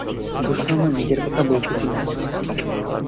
অবশ্য আমার নিজের কথা বলিতেছি না।